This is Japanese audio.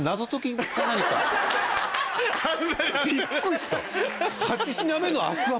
びっくりした。